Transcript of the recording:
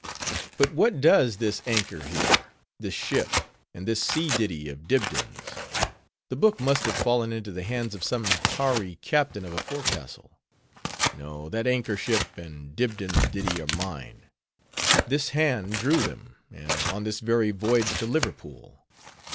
But what does this anchor here? this ship? and this sea ditty of Dibdin's? The book must have fallen into the hands of some tarry captain of a forecastle. No: that anchor, ship, and Dibdin's ditty are mine; this hand drew them; and on this very voyage to Liverpool.